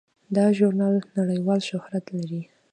دا ژورنال نړیوال شهرت لري.